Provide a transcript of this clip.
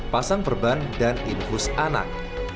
pasang perban dan infus anak